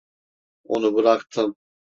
Onu bıraktım.